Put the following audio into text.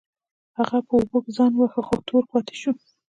هغه په اوبو کې ځان وواهه خو تور پاتې شو.